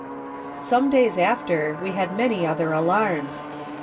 Some days after we had many other alarms.